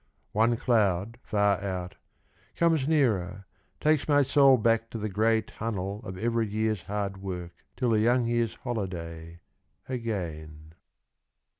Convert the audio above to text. One cloud far out, comes nearer Takes my soul back to the gray tunnel Of every year's hard work Till the young year's holiday, again.